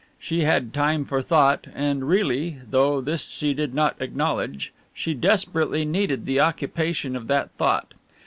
She had time for thought, and really, though this she did not acknowledge, she desperately needed the occupation of that thought.